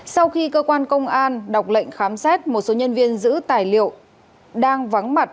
sau khi cơ quan công an đọc lệnh khám xét một số nhân viên giữ tài liệu đang vắng mặt